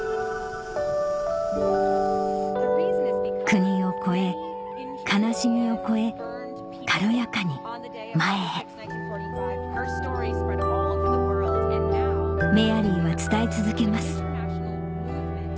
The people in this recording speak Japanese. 国を超え悲しみを超え軽やかに前へメアリーは伝え続けます